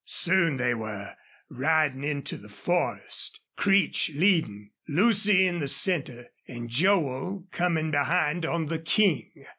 Soon they were riding into the forest, Creech leading, Lucy in the center, and Joel coming behind on the King.